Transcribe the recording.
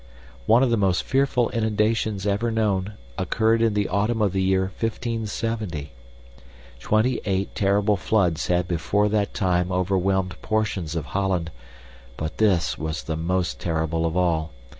One of the most fearful inundations ever known occurred in the autumn of the year 1570. Twenty eight terrible floods had before that time overwhelmed portions of Holland, but this was the most terrible of all.